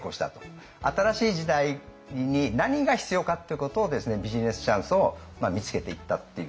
新しい時代に何が必要かっていうことをビジネスチャンスを見つけていったっていうね。